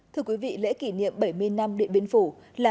thưa quý vị lễ kỷ niệm bảy mươi năm điện biên phủ là